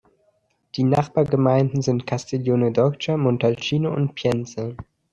Die Nachbargemeinden sind Castiglione d’Orcia, Montalcino und Pienza.